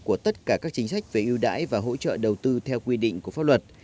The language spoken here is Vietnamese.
của tất cả các chính sách về ưu đãi và hỗ trợ đầu tư theo quy định của pháp luật